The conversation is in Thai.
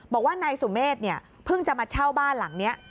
บอกว่านายสุเมฆเนี่ยเพิ่งจะมาเช่าบ้านหลังนี้